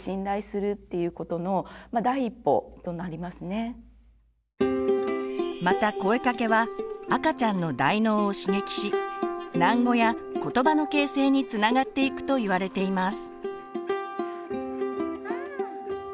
ですからまた声かけは赤ちゃんの大脳を刺激し喃語やことばの形成につながっていくといわれています。